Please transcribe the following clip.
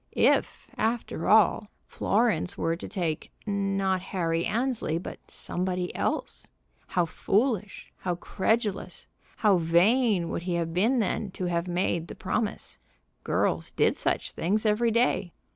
If, after all, Florence were to take, not Harry Annesley, but somebody else? How foolish, how credulous, how vain would he have been then to have made the promise! Girls did such things every day.